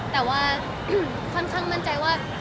แต่ว่าค่อนข้างมั่นใจว่า